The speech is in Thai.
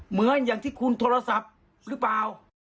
เหมือนอย่างที่คุณโทรศัพท์หรือเปล่า